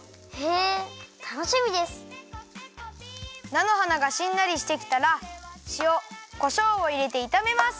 なのはながしんなりしてきたらしおこしょうをいれていためます。